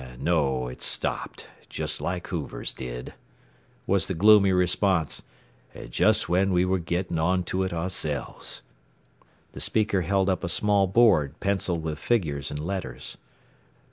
"No. It's stopped, just like Hoover's did," was the gloomy response. "And just when we were getting onto it ourselves." The speaker held up a small board pencilled with figures and letters.